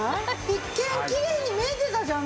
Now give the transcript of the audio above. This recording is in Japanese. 一見キレイに見えてたじゃんね。